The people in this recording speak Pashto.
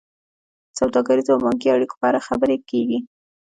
د سوداګریزو او بانکي اړیکو په اړه خبرې کیږي